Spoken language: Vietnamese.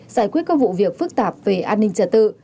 giải quyết các vụ việc phức tạp về an ninh trật tự